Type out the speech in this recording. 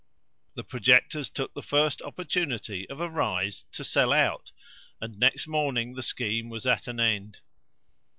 The projectors took the first opportunity of a rise to sell out, and next morning the scheme was at an end.